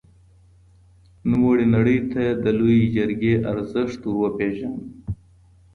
نوموړي نړۍ ته د لويې جرګې ارزښت ور وپېژاند.